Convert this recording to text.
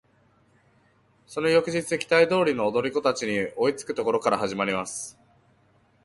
その翌日期待通り踊り子達に追いつく処から始まります。